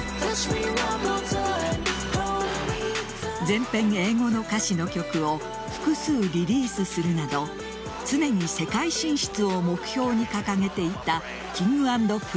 全編英語の歌詞の曲を複数リリースするなど常に世界進出を目標に掲げていたＫｉｎｇ＆Ｐｒｉｎｃｅ。